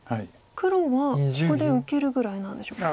黒はここで受けるぐらいなんでしょうか。